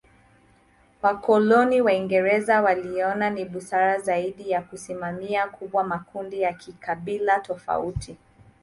Wakoloni Waingereza waliona ni busara zaidi ya kusimamia kubwa makundi ya kikabila tofauti.